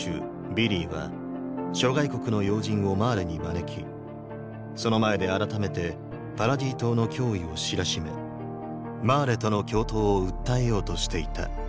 ヴィリーは諸外国の要人をマーレに招きその前で改めてパラディ島の脅威を知らしめマーレとの共闘を訴えようとしていた。